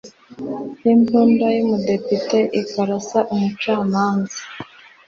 imbunda y’umudepite akarasa umucamanza